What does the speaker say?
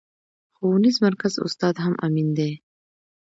ښوونيز مرکز استاد هم امين دی.